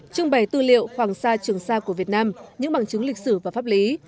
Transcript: trưng bày tư liệu hoàng sa trường sa của việt nam những bằng chứng lịch sử và pháp lý